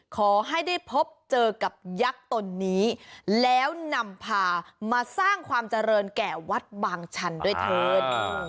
ขอให้ได้พบเจอกับยักษ์ตนนี้แล้วนำพามาสร้างความเจริญแก่วัดบางชันด้วยเถิน